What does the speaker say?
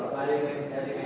paling dari bk